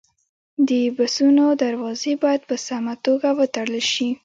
د بسونو دروازې باید په سمه توګه وتړل شي.